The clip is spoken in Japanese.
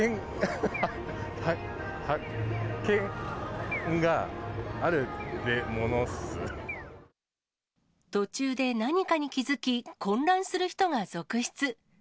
はけん、途中で何かに気付き、混乱する人が続出。